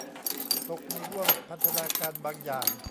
ตกในห้วงพันธนาการบางอย่าง